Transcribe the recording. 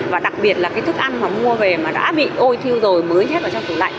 và đặc biệt là thức ăn mà mua về mà đã bị ôi thiêu rồi mới nhét vào trong thủ lạnh